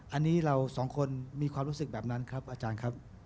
อันนี้เราสองคนมีความรู้สึกแบบนั้นครับอาจารย์ครับ